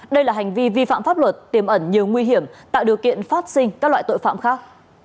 đây là hành vi vi phạm pháp luật tiềm ẩn nhiều nguy hiểm tạo điều kiện phát sinh các loại tội phạm khác